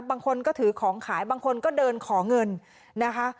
บางคนก็ถือของขายบางคนก็เดินขอเงินนะคะ